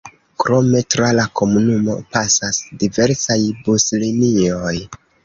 Krome tra la komunumo pasas diversaj buslinioj.